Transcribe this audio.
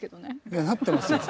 いやなってますよ。